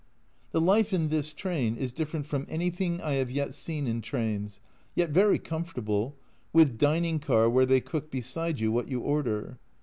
The life in this train is different from anything I have yet seen in trains, yet very comfortable, with dining car where they cook beside you what you order.